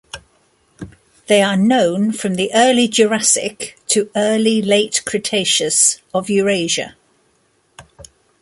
They are known from the Early Jurassic to early Late Cretaceous of Eurasia.